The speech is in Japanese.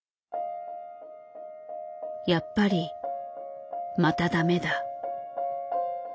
「やっぱりまたダメだ」。